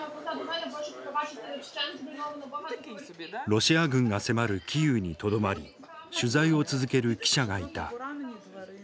ロシア軍が迫るキーウにとどまり取材を続ける記者がいた。